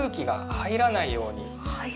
入らないように？